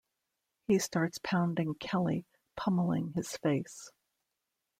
He starts pounding Kelly, pummeling his face.